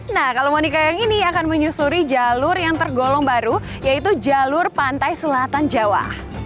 nah kalau monica yang ini akan menyusuri jalur yang tergolong baru yaitu jalur pantai selatan jawa